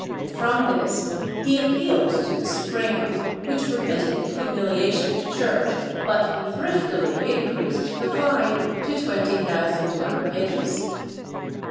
From this he appealed to the Suprema, which remitted the humiliation in church, but thriftily increased the fine to twenty thousand maravedis.